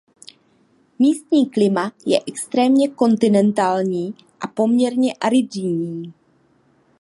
Místní klima je extrémně kontinentální a poměrně aridní.